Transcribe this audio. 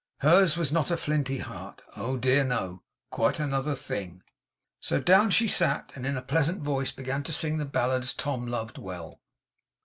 Hers was not a flinty heart. Oh, dear no! Quite another thing. So down she sat, and in a pleasant voice began to sing the ballads Tom loved well.